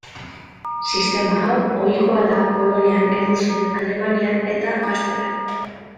Sistema hau ohikoa da Polonian, Errusian, Alemanian eta Gaztelan.